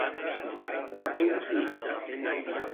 A punt fix.